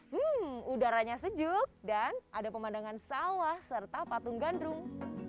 hmm udaranya sejuk dan ada pemandangan sawah serta patung gandrung